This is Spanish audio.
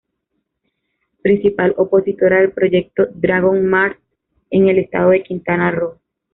Principal opositora del proyecto "Dragon Mart" en el estado de Quintana Roo